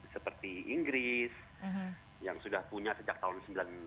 seperti inggris yang sudah punya sejak tahun seribu sembilan ratus sembilan puluh